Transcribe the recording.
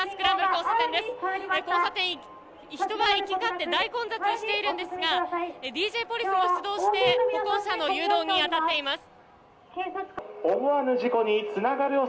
交差点、人が行き交って大混雑しているんですがＤＪポリスも出動して歩行者の誘導に当たっています。